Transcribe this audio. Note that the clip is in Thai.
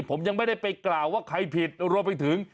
ผมยังไม่ได้ไปกล่าวว่าใครผิดรวมไปถึง